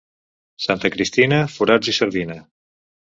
Santa Cristina, forats i sardina.